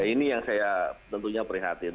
nah ini yang saya tentunya perhatikan